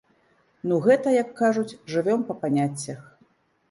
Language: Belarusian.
Ну, гэта, як кажуць, жывём па паняццях.